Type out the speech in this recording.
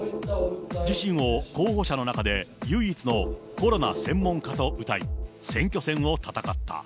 自身を候補者の中で、唯一のコロナ専門家とうたい、選挙戦を戦った。